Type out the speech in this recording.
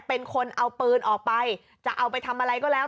เป็นคนเอาปืนออกไปจะเอาไปทำอะไรก็แล้ว